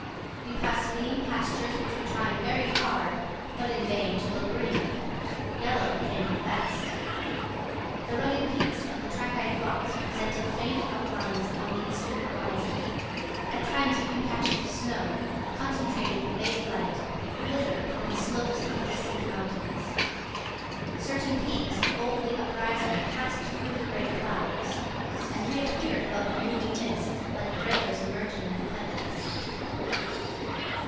We passed lean pastures which were trying very hard, but in vain, to look green; yellow came out best. The rugged peaks of the trachyte rocks presented faint outlines on the eastern horizon; at times a few patches of snow, concentrating the vague light, glittered upon the slopes of the distant mountains; certain peaks, boldly uprising, passed through the grey clouds, and reappeared above the moving mists, like breakers emerging in the heavens.